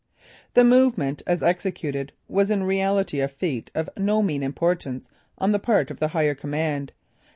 The movement as executed was in reality a feat of no mean importance on the part of the higher command.